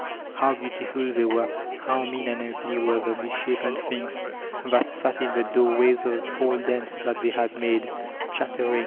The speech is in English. How beautiful they were ! How mean and ugly were the misshapen things that sat in the doorways of the foul dens that they had made, diattering.